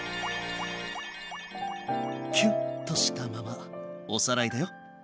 キュンとしたままおさらいだよ。